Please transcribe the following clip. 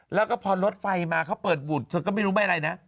แล้วก็พอรถไฟมาเขาเปิดบุตรเธอก็ไม่รู้ไม่อะไรนะ